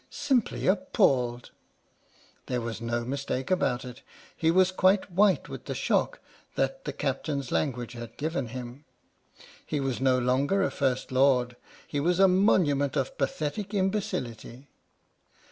" Simply appalled !" There was no mistake about it — he was quite white with the shock that the Captain's language no H.M.S. "PINAFORE" had given him. He was no longer a First Lord — he was a Monument of Pathetic Imbecility.